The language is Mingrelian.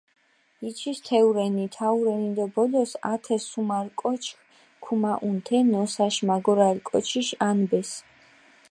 იჩის თეურენი, თაურენი დო ბოლოს ათე სუმარ კოჩქ ქუმაჸუნ თე ნოსაში მაგორალი კოჩიში ანბეს.